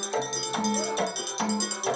saya memulai wisata di desa ini sejak pagi